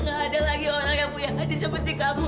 gak ada lagi orang yang kuyang seperti kamu